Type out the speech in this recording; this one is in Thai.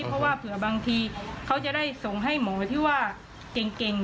เพราะว่าเผื่อบางทีเขาจะได้ส่งให้หมอที่ว่าเก่ง